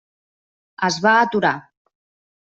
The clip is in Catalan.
Es va aturar.